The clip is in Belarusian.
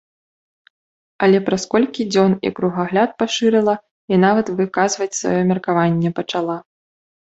Але праз колькі дзён і кругагляд пашырыла, і нават выказваць сваё меркаванне пачала.